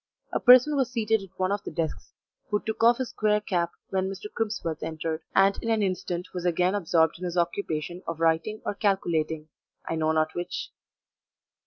A person was seated at one of the desks, who took off his square cap when Mr. Crimsworth entered, and in an instant was again absorbed in his occupation of writing or calculating I know not which.